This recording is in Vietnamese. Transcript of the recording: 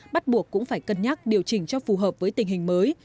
bắt buộc cũng phải cân nhắc điều chỉnh cho phù hợp với tình hình mới